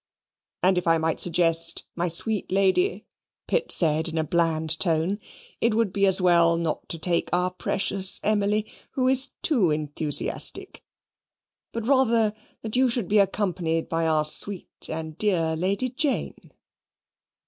"And if I might suggest, my sweet lady," Pitt said in a bland tone, "it would be as well not to take our precious Emily, who is too enthusiastic; but rather that you should be accompanied by our sweet and dear Lady Jane."